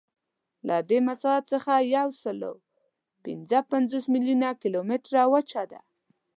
له دې مساحت څخه یوسلاوپینځهپنځوس میلیونه کیلومتره وچه ده.